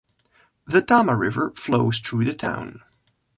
The Tama River flows through the town.